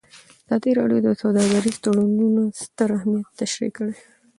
ازادي راډیو د سوداګریز تړونونه ستر اهميت تشریح کړی.